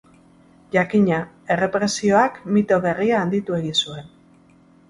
Jakina, errepresioak mito berria handitu egin zuen.